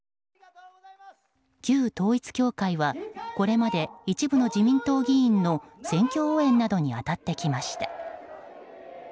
旧統一教会はこれまで一部の自民党議員の選挙応援などに当たってきました。